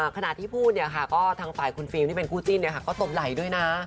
ขณะที่พูดเนี่ยค่ะก็ทางฝ่ายคุณฟิลที่เป็นคู่จิ้นก็ตบไหลด้วยนะ